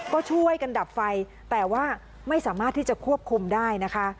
ก็ช่วยกันดับไฟแต่ว่าไม่สามารถที่จะควบคุมได้นะคะ